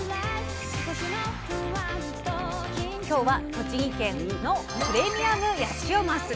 今日は栃木県のプレミアムヤシオマス。